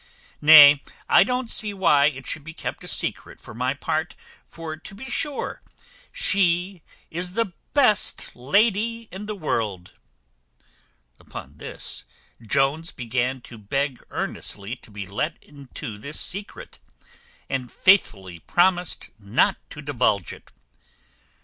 Nay, I don't see why it should be kept a secret for my part; for to be sure she is the best lady in the world." Upon this, Jones began to beg earnestly to be let into this secret, and faithfully promised not to divulge it.